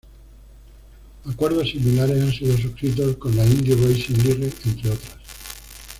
Acuerdos similares han sido suscritos con la Indy Racing League, entre otras.